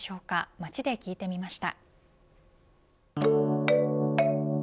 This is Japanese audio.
街で聞いてみました。